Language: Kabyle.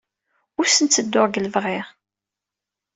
Ur asen-ttedduɣ deg lebɣi.